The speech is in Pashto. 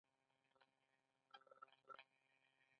اخلاق د کاروبار بنسټ دي.